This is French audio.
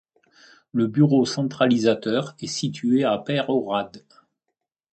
Le bureau centralisateur est situé à Peyrehorade.